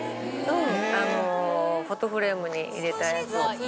あのフォトフレームに入れたやつを。